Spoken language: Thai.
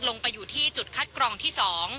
ลงไปอยู่ที่จุดคัดกรองที่๒